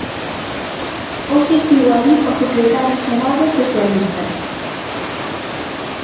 Hoxe estivo alí o secretario xeral dos socialistas.